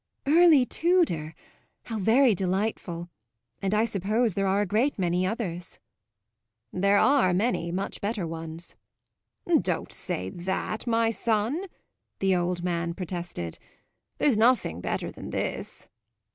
"Early Tudor? How very delightful! And I suppose there are a great many others." "There are many much better ones." "Don't say that, my son!" the old man protested. "There's nothing better than this."